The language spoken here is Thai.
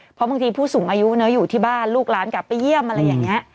เพราะบางทีผู้สูงอายุเนอะอยู่ที่บ้านลูกหลานกลับไปเยี่ยมอะไรอย่างนี้